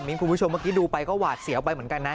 คุณผู้ชมเมื่อกี้ดูไปก็หวาดเสียวไปเหมือนกันนะ